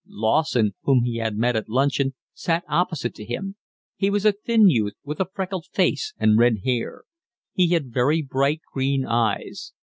Lawson, whom he had met at luncheon, sat opposite to him. He was a thin youth with a freckled face and red hair. He had very bright green eyes.